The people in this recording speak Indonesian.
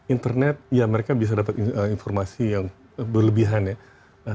internet ya mereka bisa dapat informasi yang berlebihan ya